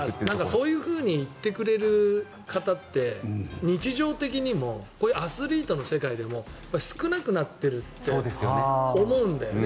そういうふうに言ってくれる方って日常的にもアスリートの世界でも少なくなっているって思うんだよね。